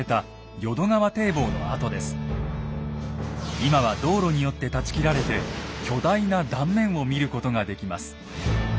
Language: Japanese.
今は道路によって断ち切られて巨大な断面を見ることができます。